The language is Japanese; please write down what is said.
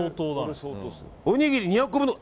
おにぎり２００個分の米。